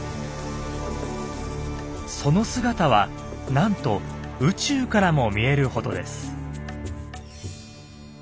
その姿はなんと宇宙からも見えるほどです。